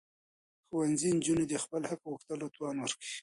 ښوونځي نجونې د خپل حق غوښتلو توان ورکوي.